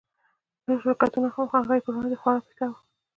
نور شرکتونه هم وو خو هغه يې پر وړاندې خورا پيکه وو.